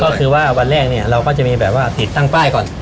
ก็คือว่าวันแรกเนี่ยเราก็จะมีแบบว่าติดตั้งป้ายก่อน